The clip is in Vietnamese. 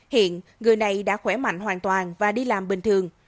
hiện người này đã khỏe mạnh hoàn toàn và đi làm bình thường